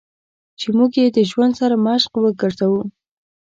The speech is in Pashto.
چې موږ یې د ژوند سرمشق وګرځوو.